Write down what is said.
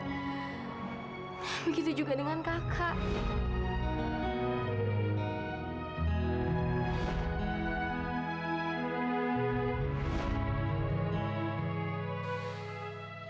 begitu juga dengan kakak